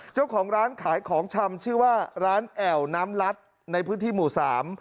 เจ้าของร้านขายของชำชื่อว่าร้านแอวน้ำลัดในพื้นที่หมู่สาม